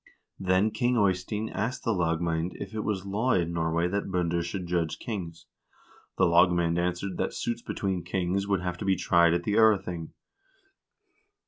" Then King Eystein asked the lagmand if it was law in Norway that binder should judge kings. The lagmand answered that suits between kings would have to be tried at the 0rething."